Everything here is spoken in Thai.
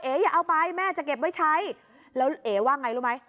อย่าเอาไปแม่จะเก็บไว้ใช้แล้วเอ๋ว่าไงรู้ไหม